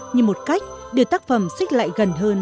như một cách để tác phẩm xích lại gần hơn